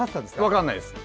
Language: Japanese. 分からないです。